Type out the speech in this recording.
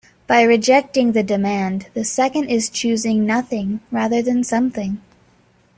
By rejecting the demand, the second is choosing nothing rather than something.